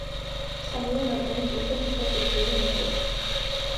სამივე მათგანი დროშას მთელ სიგრძეზე მიჰყვება.